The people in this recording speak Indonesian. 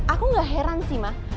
aku gak heran sih mah